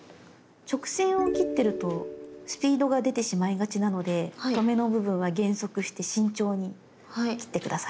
直線を切ってるとスピードが出てしまいがちなので止めの部分は減速して慎重に切って下さい。